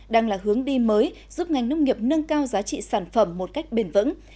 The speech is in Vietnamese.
đang là hướng đi mới giúp ngành nông nghiệp nâng cao giá trị sản phẩm một cách bền vững